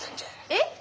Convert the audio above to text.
えっ！？